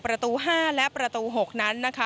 ประตู๕และประตู๖นั้นนะคะ